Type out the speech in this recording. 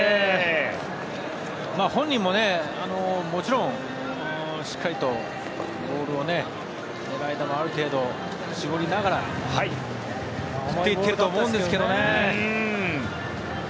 本人ももちろんしっかりとボールを狙い球をある程度、絞りながら振っていっていると思うんですけどね。